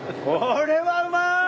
これはうまい！